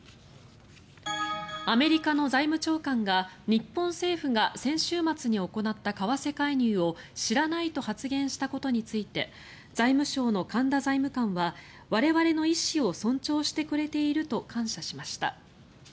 アメリカの財務長官が日本政府が先週末に行った為替介入を知らないと発言したことについて財務省の神田財務官は我々の意思を尊重してくれていると感謝しました。